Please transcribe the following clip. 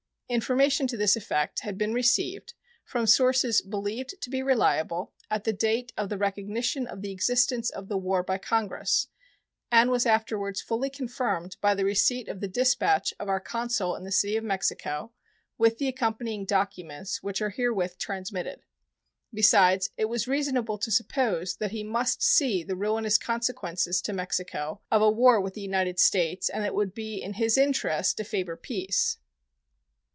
Information to this effect had been received, from sources believed to be reliable, at the date of the recognition of the existence of the war by Congress, and was afterwards fully confirmed by the receipt of the dispatch of our consul in the City of Mexico, with the accompanying documents, which are herewith transmitted. Besides, it was reasonable to suppose that he must see the ruinous consequences to Mexico of a war with the United States, and that it would be his interest to favor peace.